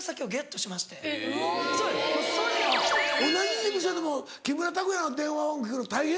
同じ事務所でも木村拓哉の電話番号聞くの大変なの？